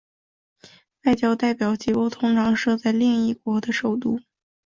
外交代表机构通常设在另一国的首都。